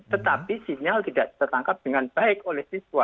tetapi sinyal tidak tertangkap dengan baik oleh siswa